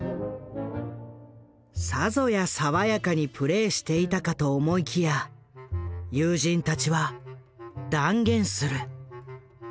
さぞや爽やかにプレーしていたかと思いきや友人たちは断言する。